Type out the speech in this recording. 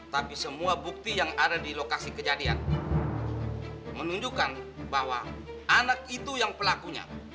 tapi semua bukti yang ada di lokasi kejadian menunjukkan bahwa anak itu yang pelakunya